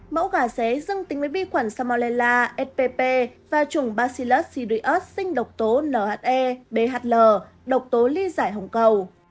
mẫu gà xé dương tính với vi khuẩn samolella spp và trùng bacillus sirius sinh độc tố nhe bhl độc tố ly giải hồng cầu